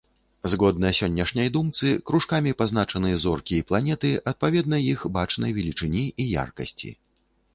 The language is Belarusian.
Згодна сённяшняй думцы, кружкамі пазначаны зоркі і планеты, адпаведна іх бачнай велічыні і яркасці.